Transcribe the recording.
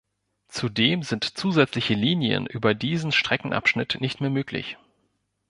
Zudem sind zusätzliche Linien über diesen Streckenabschnitt nicht mehr möglich.